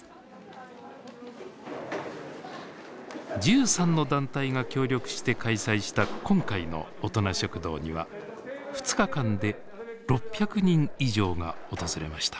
１３の団体が協力して開催した今回の大人食堂には２日間で６００人以上が訪れました。